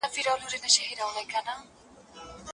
دا نجلۍ چې والیبال کوي زما خور ده.